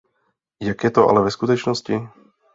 Jak je to ale ve skutečnosti?